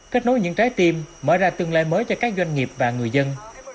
kết nối những trái tim mở ra tương lai mới cho các doanh nghiệp và người dân